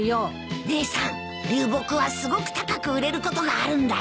姉さん流木はすごく高く売れることがあるんだよ。